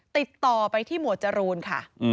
ติดต่อไปที่หมวดจรูนค่ะ